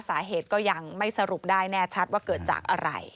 สาเหตุก็ยังไม่สรุปได้แน่ชัดว่าเกิดจากอะไร